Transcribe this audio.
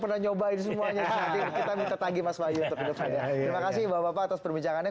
pernah nyobain semuanya kita minta tanggih mas wahyu terima kasih bapak bapak perbincangannya